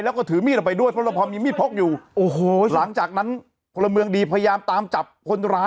ยังไงยังไงยังไงยังไงยังไงยังไงยังไงยังไงยังไง